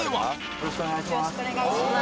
よろしくお願いします